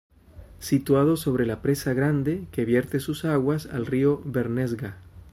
Situado sobre la Presa Grande que vierte sus aguas al Río Bernesga.